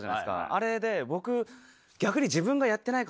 あれで僕。